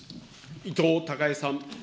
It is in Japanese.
伊藤孝恵さん。